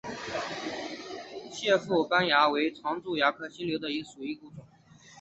褐腹斑蚜为常蚜科新瘤蚜属下的一个种。